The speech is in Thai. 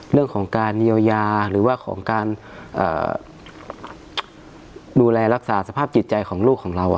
เรื่องของการเยียวยาหรือว่าของการดูแลรักษาสภาพจิตใจของลูกของเรา